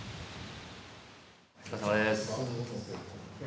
お疲れさまです。